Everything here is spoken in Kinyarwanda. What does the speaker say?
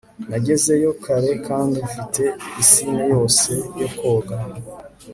nagezeyo kare kandi mfite pisine yose yo koga